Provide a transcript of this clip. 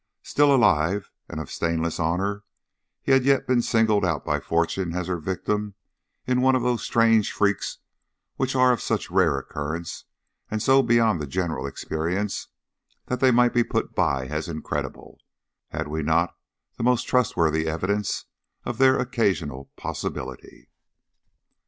Still alive, and of stainless honour, he had yet been singled out by fortune as her victim in one of those strange freaks which are of such rare occurrence, and so beyond the general experience, that they might be put by as incredible, had we not the most trustworthy evidence of their occasional possibility.